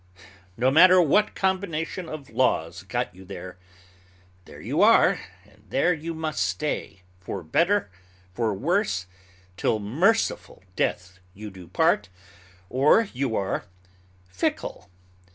No matter what combination of laws got you there, there you are, and there you must stay, for better, for worse, till merciful death you do part, or you are "fickle."